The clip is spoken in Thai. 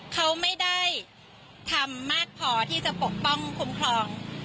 เขาไม่ได้ทำมากพอที่จะปกป้องคุ้มครอง